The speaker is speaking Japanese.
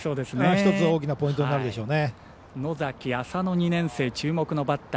１つ大きなポイントになるでしょうね。